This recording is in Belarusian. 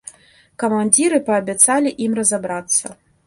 Камандзіры паабяцалі ім разабрацца.